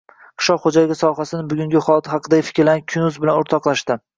qishloq xo‘jaligi sohasining bugungi holati haqidagi fikrlarini Kun.uz bilan o‘rtoqlashdi.